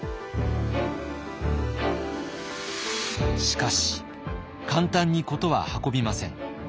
しかし簡単に事は運びません。